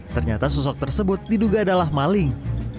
ternyata sosok tersebut diduga adalah maling